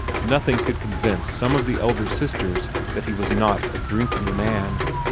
Nothing could convince some of the elder sisters that he was not a drinking man.